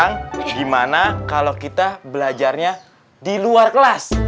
gimana kalo kita belajarnya di luar kelas